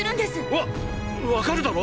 ⁉わっわかるだろ？